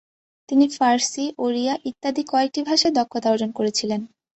তিনি ফারসি, ওড়িয়া ইত্যাদি কয়েকটি ভাষায় দক্ষতা অর্জন করেছিলেন।